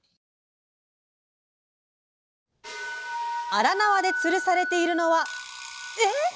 荒縄でつるされているのはえっ⁉